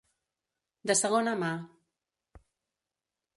De segona mà.